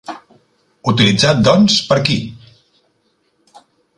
Utilitzat, doncs, per qui?